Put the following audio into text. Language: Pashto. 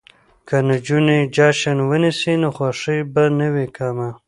که نجونې جشن ونیسي نو خوښي به نه وي کمه.